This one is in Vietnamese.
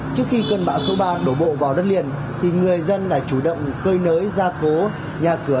trước khi cơn bão số ba đổ bộ vào đất liền thì người dân đã chủ động cơi nới gia cố nhà cửa